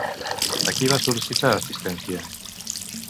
A qui va sol·licitar assistència?